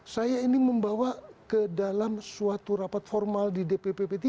saya ini membawa ke dalam suatu rapat formal di dpp p tiga